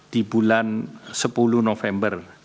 di bulan sepuluh november